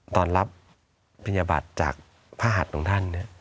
ตอนรับปริญญาบัตรจากพระหัสตรงท่านเนี่ย